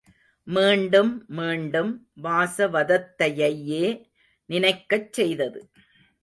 மீண்டும் மீண்டும் வாசவதத்தையையே நினைக்கச் செய்தது.